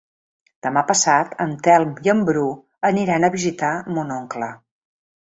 Demà passat en Telm i en Bru aniran a visitar mon oncle.